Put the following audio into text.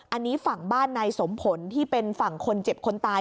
อันนี้ฝั่งบ้านนายสมผลที่เป็นฝั่งคนเจ็บคนตาย